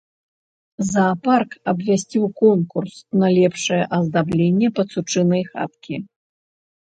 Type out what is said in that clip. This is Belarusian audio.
Заапарк абвясціў конкурс на лепшае аздабленне пацучынай хаткі.